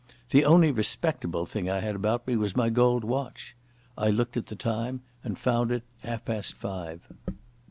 The only respectable thing I had about me was my gold watch. I looked at the time and found it half past five.